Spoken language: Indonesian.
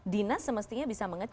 dinas semestinya bisa mengecek